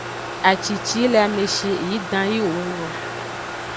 Aci ci yi le ame shi yi ʼdan yi wo wuno.